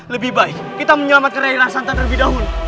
lebih baik kita menyelamatkan rai rai santan lebih dahulu